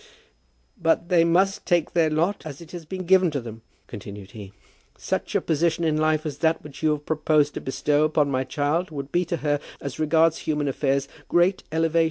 "But they must take their lot as it has been given to them," continued he. "Such a position in life as that which you have proposed to bestow upon my child would be to her, as regards human affairs, great elevation.